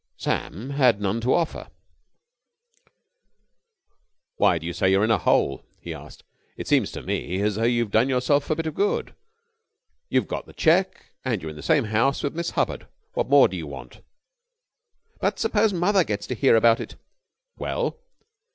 Sam had none to offer. "Why do you say you're in a hole?" he asked. "It seems to me as though you had done yourself a bit of good. You've got the check, and you're in the same house with Miss Hubbard. What more do you want?" "But suppose mother gets to hear about it?" "Well?"